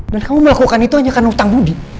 dan kamu melakukan itu hanya karena hutang bodi